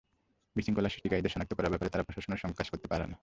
বিশৃঙ্খলা সৃষ্টিকারীদের শনাক্ত করার ব্যাপারে তারা প্রশাসনের সঙ্গে কাজ করতে পারেন।